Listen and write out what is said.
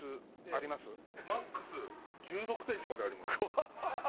マックス１６センチまであります。